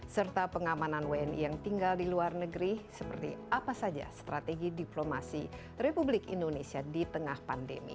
serta pengamanan wni yang tinggal di luar negeri seperti apa saja strategi diplomasi republik indonesia di tengah pandemi